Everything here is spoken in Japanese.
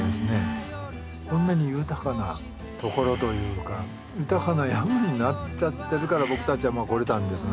こんなに豊かなところというか豊かな山になっちゃってるから僕たちは来れたんですが。